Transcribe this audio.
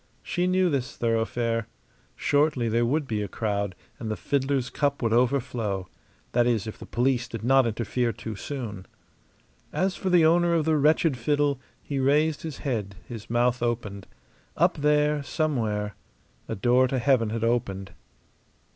She knew this thoroughfare. Shortly there would be a crowd, and the fiddler's cup would overflow that is, if the police did not interfere too soon. As for the owner of the wretched fiddle, he raised his head, his mouth opened. Up there, somewhere, a door to heaven had opened.